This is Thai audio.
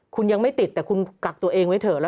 คุณยังไม่ติดแต่คุณกักตัวเองไว้เถอะ